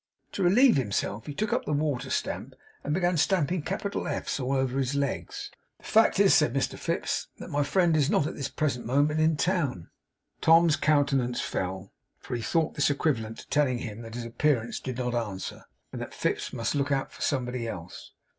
To relieve himself, he took up the wafer stamp, and began stamping capital F's all over his legs. 'The fact is,' said Mr Fips, 'that my friend is not, at this present moment, in town.' Tom's countenance fell; for he thought this equivalent to telling him that his appearance did not answer; and that Fips must look out for somebody else.